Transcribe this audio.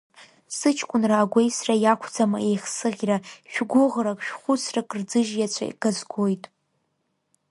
Сыҷкәынра агәеисра иақәӡам еихсыӷьра, шә-гәыӷрак, шә-хәыцрак рӡыжь иаҵәа газгоит.